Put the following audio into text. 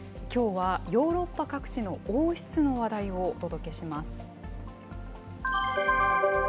きょうはヨーロッパ各地の王室の話題をお届けします。